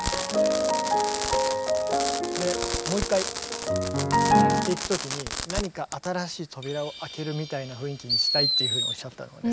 でもう一回っていくときに何か新しい扉を開けるみたいな雰囲気にしたいっていうふうにおっしゃったのがね